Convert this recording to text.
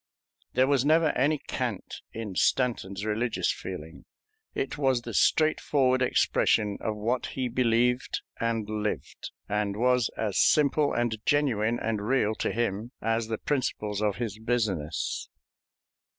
There was never any cant in Stanton's religious feeling. It was the straightforward expression of what he believed and lived, and was as simple and genuine and real to him as the principles of his business.